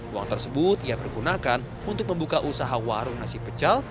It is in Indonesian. uang tersebut ia pergunakan untuk membuka usaha warung nasi pecel